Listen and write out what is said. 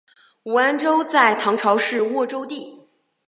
武安州在唐朝是沃州地。